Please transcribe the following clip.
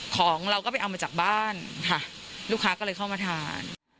ของเราก็ไปเอามาจากบ้านค่ะลูกค้าก็เลยเข้ามาทาน